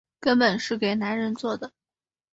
根本是给男人做的